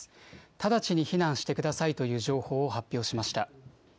直ちに避難してくださいという情報を発表しました。